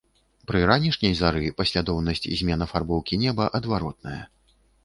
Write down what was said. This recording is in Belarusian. Пры ранішняй зары паслядоўнасць змен афарбоўкі неба адваротная.